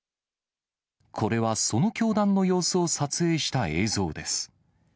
これはその教団の様子を撮影した映像です。